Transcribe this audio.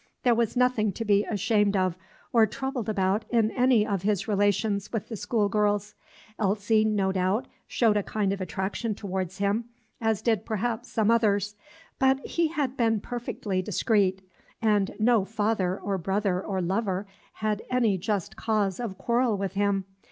There was nothing to be ashamed of or troubled about in any of his relations with the school girls. Elsie, no doubt, showed a kind of attraction towards him, as did perhaps some others; but he had been perfectly discreet, and no father or brother or lover had any just cause of quarrel with him.